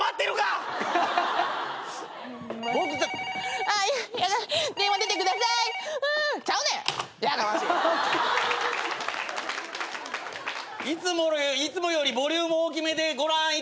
「いつもよりボリューム大きめでご覧いただけました」やあるか！